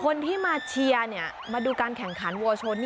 คนที่มาเชียร์มาดูการแข่งขันวัวชน